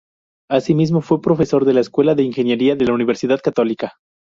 Asimismo, fue profesor de la Escuela de Ingeniería de la Universidad Católica.